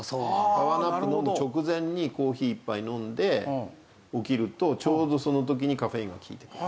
パワーナップの直前にコーヒー１杯飲んで起きるとちょうどその時にカフェインが効いてくる。